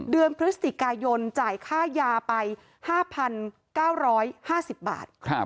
เดือนพฤศจิกายนจ่ายค่ายาไป๕๙๕๐บาท